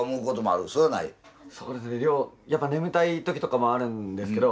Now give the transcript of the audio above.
やっぱ眠たい時とかもあるんですけど。